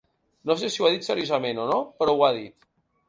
No sé si ho ha dit seriosament o no, però ho ha dit.